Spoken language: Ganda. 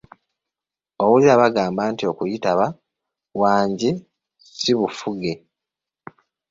Owulira bagamba nti okuyitaba "wangi" si bufuge.